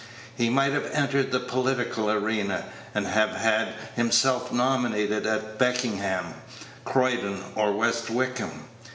He might have entered Page 92 the political arena, and have had himself nominated for Beckenham, Croydon, or West Wickham.